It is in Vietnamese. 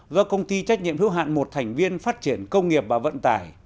do công ty trách nhiệm hữu hạn một thành viên phát triển công nghiệp và vận tải